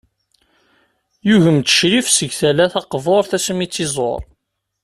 Yugem-d Ccrif seg tala taqburt asmi i tt-iẓur.